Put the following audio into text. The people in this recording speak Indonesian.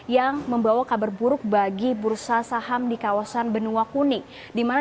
yang membawa kabar buruk bagi bursa saham di kawasan benua kuning